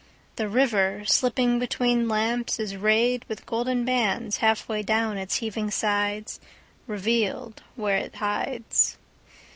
The river, slipping betweenLamps, is rayed with golden bandsHalf way down its heaving sides; Revealed where it hides.